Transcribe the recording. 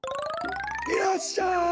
いらっしゃい。